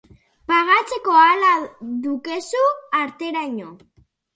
Pagatzeko ahala dukezun arteraino.